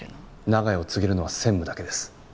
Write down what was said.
長屋を継げるのは専務だけです。